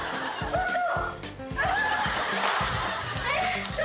ちょっと。